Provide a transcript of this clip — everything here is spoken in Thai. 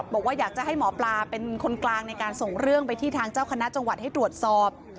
บอกว่าอยากจะให้หมอปลาเป็นคนกลางในการส่งเรื่องไปที่ทางเจ้าคณะจังหวัดให้ตรวจสอบ